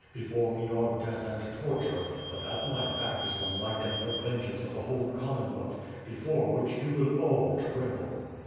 Be fore me are death and torture, but at my back is the might and the vengeance of the whole Commonwealth, before which you will all tremble."